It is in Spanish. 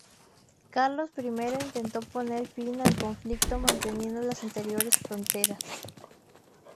Carlos I intentó poner fin al conflicto manteniendo las anteriores fronteras.